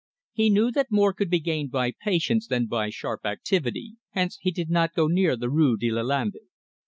He knew that more could be gained by patience than by sharp activity. Hence he did not go near the Rue de Lalande.